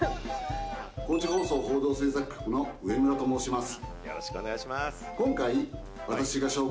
高知放送報道制作局長の植村と申します。